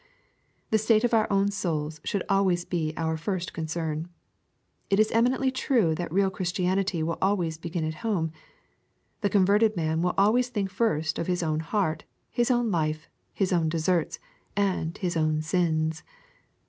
The state of our own souls should always be our first concern. It is eminently true that real Christianity will always begin at home. The converted man will always think first of his own heart, his own life, his own deserts, and his own sins.